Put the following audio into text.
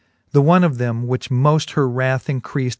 The one of them, which moft her wrath increaft.